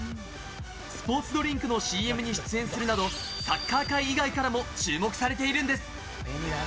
スポーツドリンクのＣＭに出演するなど、サッカー界以外からも注目されているんです。